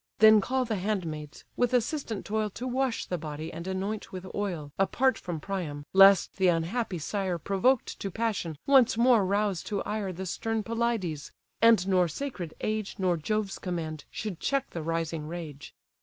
Then call the handmaids, with assistant toil To wash the body and anoint with oil, Apart from Priam: lest the unhappy sire, Provoked to passion, once more rouse to ire The stern Pelides; and nor sacred age, Nor Jove's command, should check the rising rage.